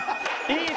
いい！